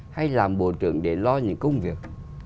hay làm bộ trưởng để lo những công việc